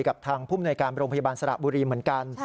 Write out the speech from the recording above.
กับทางภูมิหน่วยการโรงพยาบาลสระบุรีเหมือนกัน